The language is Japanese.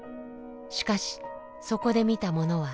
しかしそこで見たものは。